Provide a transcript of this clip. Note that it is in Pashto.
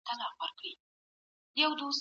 کله به نړیواله ټولنه سوداګري تایید کړي؟